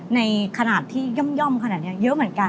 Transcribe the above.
ในขนาดที่ย่อมเยอะเหมือนกัน